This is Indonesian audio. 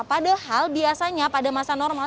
padahal biasanya pada masa normal